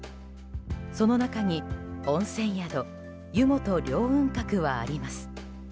その中に温泉宿湯元凌雲閣はあります。